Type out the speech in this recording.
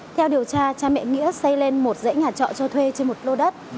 theo điều tra cha mẹ nghĩa xây lên một dãy nhà trọ cho thuê trên một lô đất